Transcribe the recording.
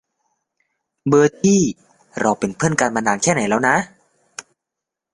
เบอร์ทิ เราเป็นเพือนกันมานานแค่ไหนแล้วนะ ?